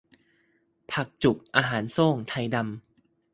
ผักจุบ อาหารโซ่ง ไทดำ